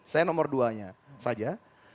saya nomor duanya saja